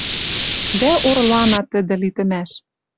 Дӓ орлана тӹдӹ литӹмӓш.